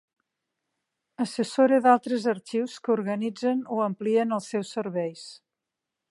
Assessora d'altres arxius que organitzen o amplien els seus serveis.